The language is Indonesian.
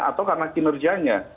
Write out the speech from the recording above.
atau karena kinerjanya